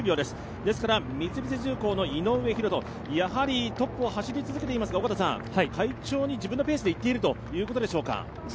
ですから三菱重工の井上大仁、やはりトップを走り続けていますが快調に自分のペースでいっているということでしょうか。